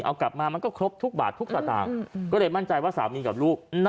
เอากลับมามันก็ครบทุกบาททุกสตางค์ก็เลยมั่นใจว่าสามีกับลูก